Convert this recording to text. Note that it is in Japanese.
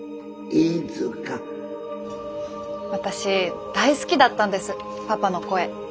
私大好きだったんですパパの声。